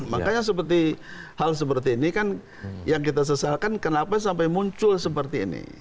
makanya seperti hal seperti ini kan yang kita sesalkan kenapa sampai muncul seperti ini